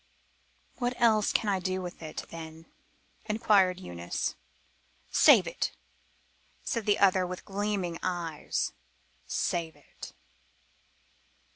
"What else can I do with it then?" inquired Eunice. "Save it," said the other with gleaming eyes, "save it."